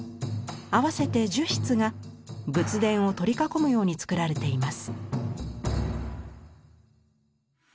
合わせて１０室が仏殿を取り囲むようにつくられています。